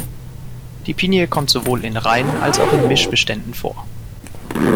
Die Pinie kommt sowohl in Rein- als auch in Mischbeständen vor.